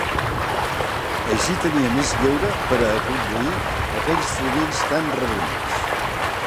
Així tenia més lleure per a aconduir aquells florins tan rebonics